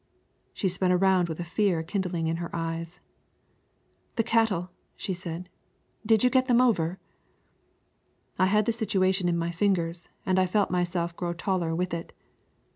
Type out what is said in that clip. She spun around with a fear kindling in her eyes. "The cattle!" she said. "Did you get them over?" I had the situation in my fingers, and I felt myself grow taller with it.